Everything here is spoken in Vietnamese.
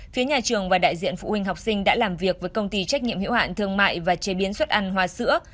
phía nhà trường và đại diện phụ huynh học sinh đã làm việc với công ty trách nhiệm hiệu hạn thương mại và chế biến xuất ăn hoa sữa